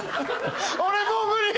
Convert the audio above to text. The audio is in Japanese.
俺もう無理！